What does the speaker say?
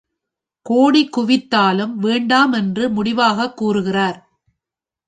கோடி குவித்தாலும் வேண்டாம் என்று முடிவாகக் கூறுகிறார்.